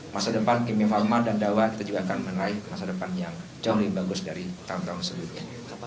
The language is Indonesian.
masa depan kimia falma dan dawa kita juga akan meraih masa depan yang jauh lebih bagus dari tahun tahun sebelumnya